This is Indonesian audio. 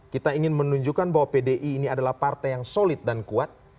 kita ingin menunjukkan bahwa pdi ini adalah partai yang solid dan kuat